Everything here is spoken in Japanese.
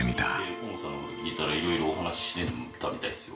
河本さんのことを聞いたら、いろいろお話ししてたみたいですよ。